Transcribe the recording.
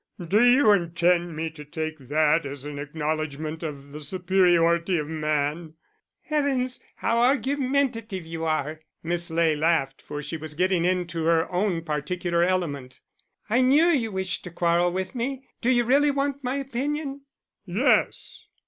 "Do you intend me to take that as an acknowledgment of the superiority of man?" "Heavens, how argumentative you are!" Miss Ley laughed, for she was getting into her own particular element. "I knew you wished to quarrel with me. Do you really want my opinion?" "Yes."